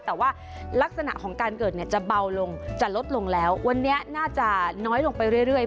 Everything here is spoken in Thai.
แต่ว่าลักษณะของการเกิดเนี่ยจะเบาลงจะลดลงแล้ววันนี้น่าจะน้อยลงไปเรื่อย